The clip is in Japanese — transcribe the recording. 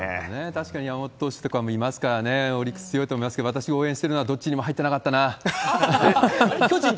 確かに山本投手とかもいますからね、オリックス強いと思いますけど、私が応援してるのはどっちにも入ってなかったな。